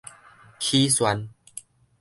起訕